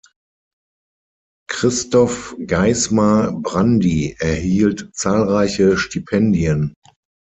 Christoph Geissmar-Brandi erhielt zahlreiche Stipendien.